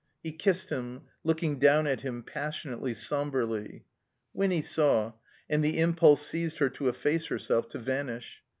He kissed him, looking down at him, passionately, somberly. Winny saw, and the impulse seized her to efface herself, to vanish.